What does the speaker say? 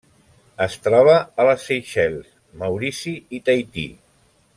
Es troba a les Seychelles, Maurici i Tahití.